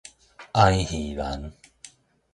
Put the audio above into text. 哀耳蘭